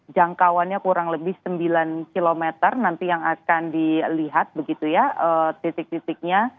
jangkauannya kurang lebih sembilan km nanti yang akan dilihat begitu ya titik titiknya